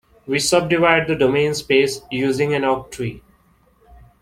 We subdivide the domain space using an octree.